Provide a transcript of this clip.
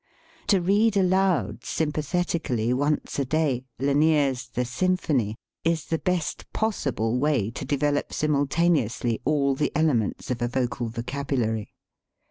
To read aloud, sympathetically, once a day, Lanier's "The Symphony" is the best possible way to develop simultaneously all the elements of a vocal vocabulary.